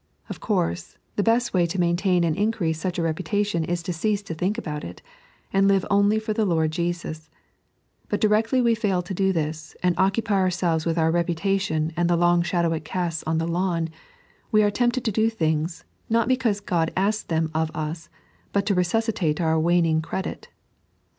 Of course, the beet way to maintaia and increase such a reputation is to cease to think about it, and live only for the Lord Jesus ; but directly we fail to do this, and occupy ouiselvee with our reputation and the long shadow it casts on the lawn, we are tempted to do things, not because God asks them of ub, but to resuscitate our waniag credit.